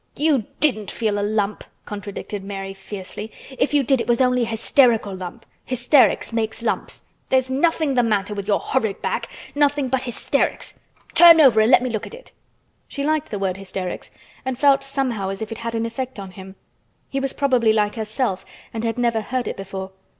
"You didn't feel a lump!" contradicted Mary fiercely. "If you did it was only a hysterical lump. Hysterics makes lumps. There's nothing the matter with your horrid back—nothing but hysterics! Turn over and let me look at it!" She liked the word "hysterics" and felt somehow as if it had an effect on him. He was probably like herself and had never heard it before.